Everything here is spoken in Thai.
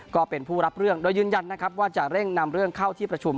ก็เป็นผู้รับเรื่องโดยยืนยันนะครับว่าจะเร่งนำเรื่องเข้าที่ประชุม